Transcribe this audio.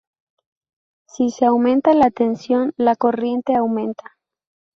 Si se aumenta la tensión, la corriente aumenta.